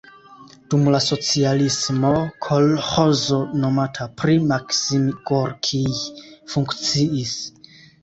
Dum la socialismo kolĥozo nomata pri Maksim Gorkij funkciis.